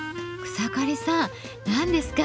草刈さん何ですか？